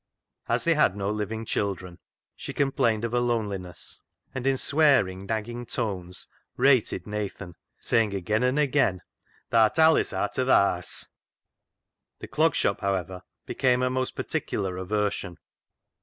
As they had no living children, she complained of her loneliness, and in swearing, nagging tones rated Nathan, saying again and again, " Tha'rt allis aat o' th' haase." The Clog Shop, however, became her most particular aversion.